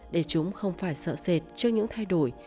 để chúng không phải sợ sệt trước những thay đổi